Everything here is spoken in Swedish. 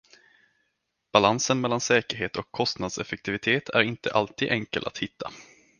Balansen mellan säkerhet och kostnadseffektivitet är inte alltid enkel att hitta.